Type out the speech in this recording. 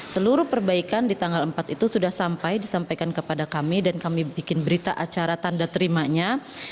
seluruh perbaikan di tanggal empat itu sudah sampai disampaikan kepada kami dan kami bikin berita acara tanda terimanya